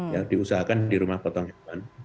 ya diusahakan di rumah potong hewan